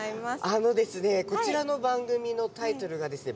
あのですねこちらの番組のタイトルがですね